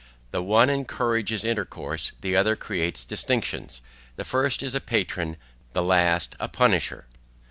The one encourages intercourse, the other creates distinctions. The first is a patron, the last a punisher.